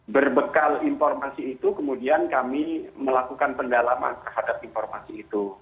berbekal informasi itu kemudian kami melakukan pendalaman terhadap informasi itu